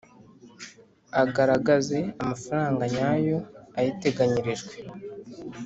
agaragaze amafaranga nyayo ayiteganyirijwe.